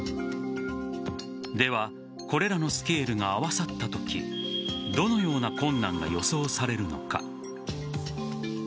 では、これらのスケールが合わさったときどのような困難が予想されるのか。